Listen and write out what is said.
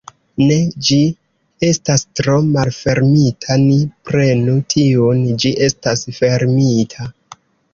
Ne, ĝi estas tro malfermita, ni prenu tiun, ĝi estas fermita.